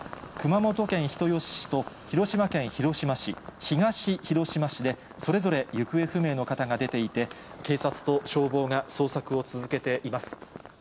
そのほか、熊本県人吉市と広島県広島市、東広島市でそれぞれ行方不明の方が出ていて、警察と消防が捜索を続けています。